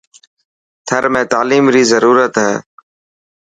ٿر ۾ تعليم ري ضرورت هي.